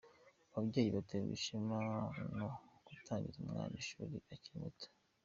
Ababyeyi baterwa ishema no gutangiza umwana ishuri akiri muto.